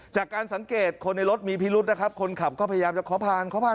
จากการสังเกตคนในรถมีภีรุษนะครับคนขับก็พยายามจะขอพารนะ